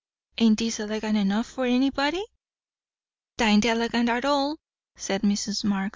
Ain't this elegant enough for anybody?" "'Tain't elegant at all," said Mrs. Marx.